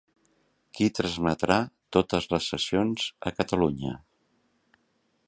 Qui transmetrà totes les sessions a Catalunya?